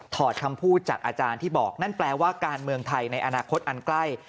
คำพูดจากอาจารย์ที่บอกนั่นแปลว่าการเมืองไทยในอนาคตอันใกล้